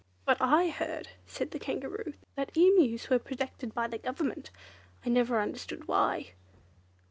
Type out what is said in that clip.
"But I heard," said the Kangaroo, "that Emus were protected by the Government. I never understood why."